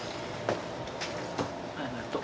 ありがとう。